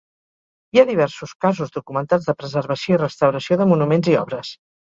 Hi ha diversos casos documentats de preservació i restauració de monuments i obres.